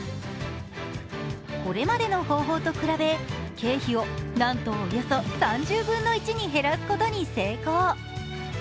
これまでの方法と比べ、経費をなんとおよそ３０分の１に減らすことに成功。